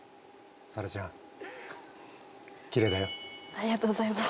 ありがとうございます。